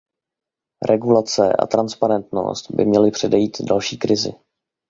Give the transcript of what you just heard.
Regulace a transparentnost by měli předejít další krizi.